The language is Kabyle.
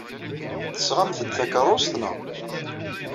Tesɣamt-d takeṛṛust, naɣ?